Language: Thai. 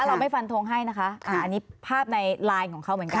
เราไม่ฟันทงให้นะคะอันนี้ภาพในไลน์ของเขาเหมือนกัน